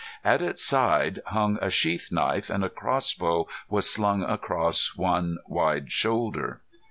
At its side hung a sheath knife, and a crossbow was slung across one wide shoulder.